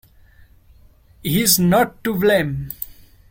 He is not to blame.